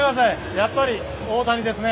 やっぱり大谷ですね。